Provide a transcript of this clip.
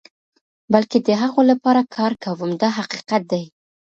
بلکې د هغو لپاره کار کوم دا حقیقت دی.